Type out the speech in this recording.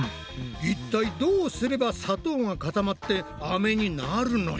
一体どうすれば砂糖が固まってアメになるのよ？